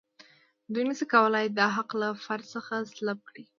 دوی نشي کولای دا حق له فرد څخه سلب کړي.